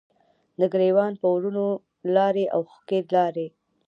د ګریوان په ورونو لارې، اوښکې لارې